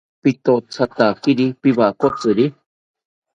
Pitothotakiri powakotziri